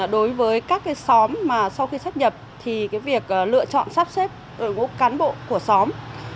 đối với các xóm mà sau khi sắp nhập thì việc lựa chọn sắp xếp đội ngũ cán bộ của xóm